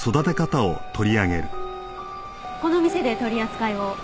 この店で取り扱いを？